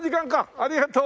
ありがとう！